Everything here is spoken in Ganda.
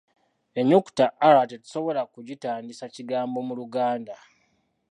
Ennyukuta r tetusobola kugitandisa kigambo mu Luganda.